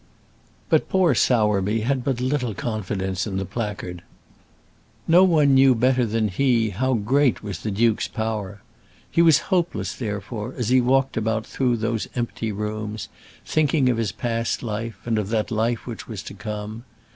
But poor Sowerby had but little confidence in the placard. No one knew better than he how great was the duke's power. He was hopeless, therefore, as he walked about through those empty rooms, thinking of his past life and of that life which was to come.